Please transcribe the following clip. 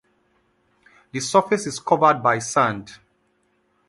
The surface is covered by sand.